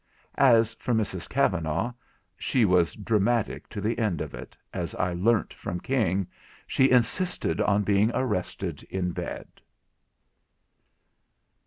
As for Mrs Kavanagh, she was dramatic to the end of it; and, as I learnt from King, she insisted on being arrested in bed.